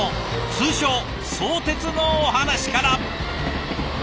通称相鉄のお話から。